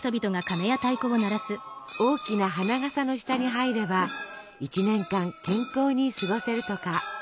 大きな花がさの下に入れば一年間健康に過ごせるとか。